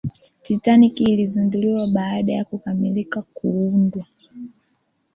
titanic ilizinduliwa baada ya kukamilika kuundwa